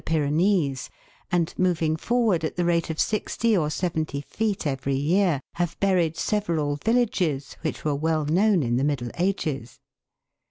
107 Pyrenees, and moving forward at the rate of sixty or seventy feet every year, have buried several villages, which were well known in the Middle Ages.